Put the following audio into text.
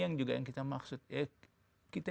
yang juga yang kita maksud ya kita